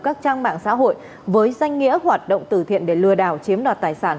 các trang mạng xã hội với danh nghĩa hoạt động tử thiện để lừa đảo chiếm đoạt tài sản